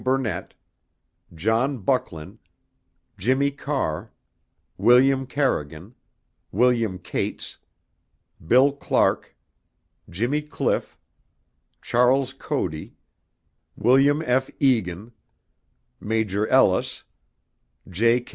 Burnett, John Bucklin, Jimmy Carr, William Carrigan, William Cates, Bill Clark, Jimmy Cliff, Charles Cody, William F. Egan, Major Ellis, J.